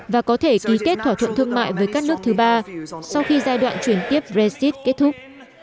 và có thể ký kết thỏa thuận thương mại với các nước thứ ba sau khi giai đoạn chuyển tiếp brexit kết thúc